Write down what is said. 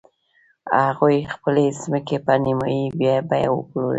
هغوی خپلې ځمکې په نیمايي بیه وپلورلې.